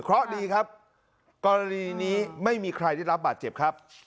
เพราะดีครับกรณีนี้ไม่มีใครได้รับบาดเจ็บครับ